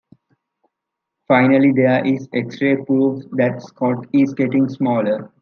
Finally, there is x-ray proof that Scott is getting smaller.